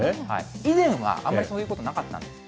以前は、あんまりそういうことなかったんですって。